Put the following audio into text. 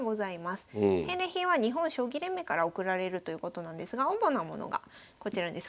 返礼品は日本将棋連盟からおくられるということなんですが主なものがこちらです。